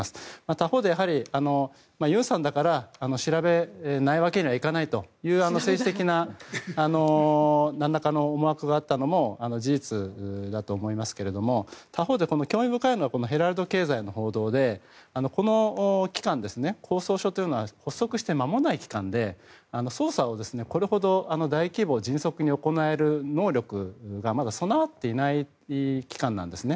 他方でユンさんだから調べないわけにはいかないという政治的ななんらかの思惑があったのも事実だと思いますけれども他方で興味深いのはヘラルド経済の報道でこの機関公捜処というのは発足して間もない機関で捜査をこれほど大規模、迅速に行える能力がまだ備わっていない機関なんですね。